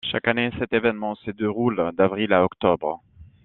Chaque année, cet événement se déroule d’avril à octobre.